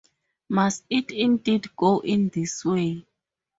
Must it indeed go in this way?